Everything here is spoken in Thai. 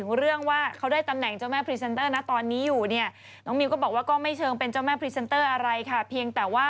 ตอนนี้เรียกว่าเป็นแบบตำแหน่งเจ้าแม่พรีเซนเตอร์กันเลยทีเดียวนะคะตอนนี้เรียกว่าเป็นแบบตำแหน่งเจ้าแม่พรีเซนเตอร์กันเลยทีเดียวนะคะ